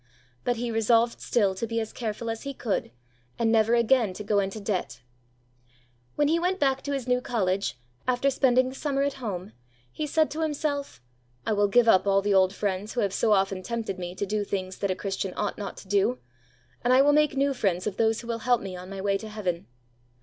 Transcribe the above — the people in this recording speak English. But he resolved still to be as careful as he could, and never again to go into debt. When he went back to his new College, after spending the summer at home, he said to himself: "I will give up all the old friends who have so often tempted me to do things that a Christian ought not to do, and I will make new friends of those who will help me on my way to heaven."